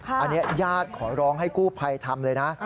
อันนี้ญาติขอร้องให้กู้ภัยทำเลยนะ